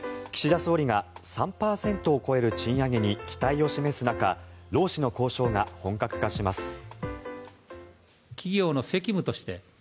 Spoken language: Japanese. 岸田総理が３％を超える賃上げに期待を示す中労使の交渉が本格化します。